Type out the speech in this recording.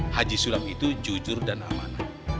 haji sulam itu jujur dan aman